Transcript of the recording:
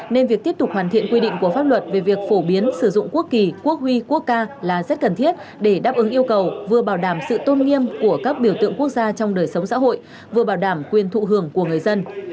nên việc tiếp tục hoàn thiện quy định của pháp luật về việc phổ biến sử dụng quốc kỳ quốc huy quốc ca là rất cần thiết để đáp ứng yêu cầu vừa bảo đảm sự tôn nghiêm của các biểu tượng quốc gia trong đời sống xã hội vừa bảo đảm quyền thụ hưởng của người dân